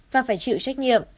và phải chịu trách nhiệm